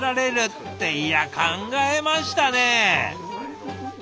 っていや考えましたね！